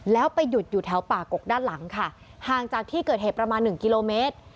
แล้วไปหยุดอยู่แถวป่ากกด้านหลังค่ะห่างจากที่เกิดเหตุประมาณหนึ่งกิโลเมตร